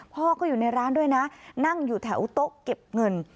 พ่อก็อยู่ในร้านด้วยนะนั่งอยู่แถวโต๊ะเก็บเงิน